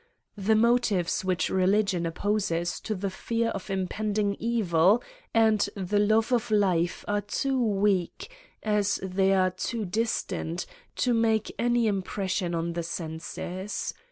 The motives which religion opposes to the fear of impending evil and the love of life are too weak, as they are too distant, to make any impression on the senses.